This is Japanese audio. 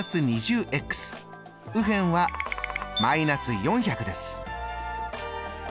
右辺はー４００です。